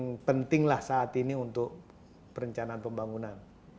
yang pentinglah saat ini untuk perencanaan pembangunan